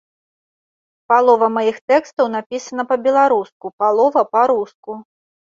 Палова маіх тэкстаў напісана па-беларуску, палова па-руску.